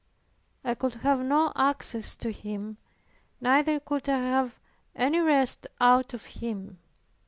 I could have no access to Him, neither could I have any rest out of Him.